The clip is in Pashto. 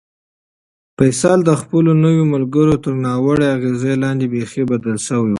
فیصل د خپلو نویو ملګرو تر ناوړه اغېز لاندې بیخي بدل شوی و.